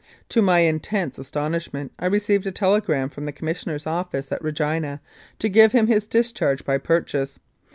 To my intense astonishment I received a telegram from the Commissioner's office at Regina to give him his discharge by purchase.